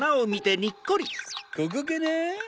ここかなぁ？